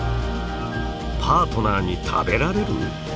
パートナーに食べられる！？